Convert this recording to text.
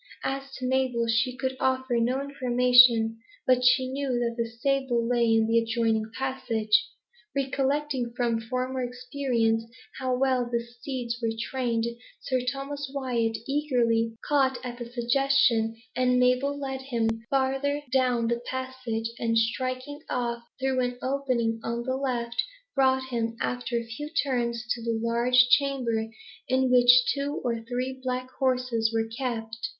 As to Mabel, she could offer no information, but she knew that the stable lay in an adjoining passage. Recollecting, from former experience, how well the steeds were trained, Sir Thomas Wyat eagerly caught at the suggestion, and Mabel led him farther down the passage, and striking off through an opening on the left, brought him, after a few turns, to a large chamber, in which two or three black horses were kept.